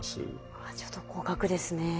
ああちょっと高額ですね。